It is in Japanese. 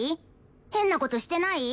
変な事してない？